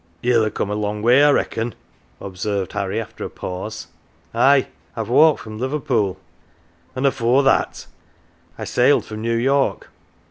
" Ye'll have come a long way, I reckon ?" observed Harry after a pause. " Aye, I've walked from Liverpool." An' afore that ?"" I sailed from New York."